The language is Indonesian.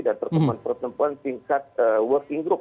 dan pertemuan pertemuan sikat working group